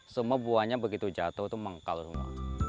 semua buahnya begitu jatuh itu mengkal semua